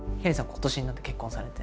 今年になって結婚されて。